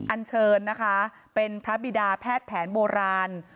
อันเชิญนะคะเป็นพระบิดาแพทย์แผนโบราณ